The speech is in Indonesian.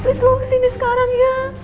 terus lo kesini sekarang ya